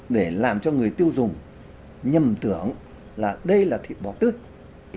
để làm cho người tiêu dùng nhầm tưởng là đây là thịt bò tươi